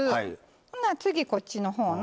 ほな次こっちの方の。